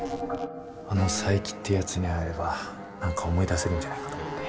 あの佐伯ってやつに会えれば何か思い出せるんじゃないかと思って。